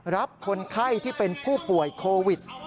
รับคนไข้ที่เป็นผู้ป่วยโควิด